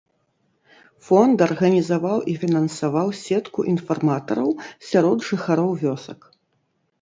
Фонд арганізаваў і фінансаваў сетку інфарматараў сярод жыхароў вёсак.